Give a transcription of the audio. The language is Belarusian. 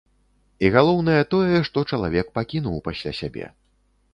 І галоўнае тое, што чалавек пакінуў пасля сябе.